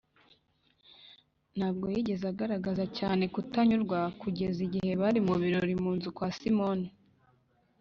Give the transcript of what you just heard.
ntabwo yigeze agaragaza cyane kutanyurwa kugeza igihe bari mu birori mu nzu kwa simoni